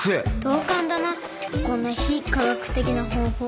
同感だなこんな非科学的な方法。